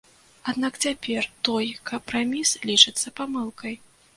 Аднак цяпер той кампраміс лічыцца памылкай.